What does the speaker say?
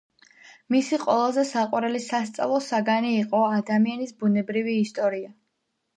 მისი ყველაზე საყვარელი სასწავლო საგანი იყო ადამიანის ბუნებრივი ისტორია.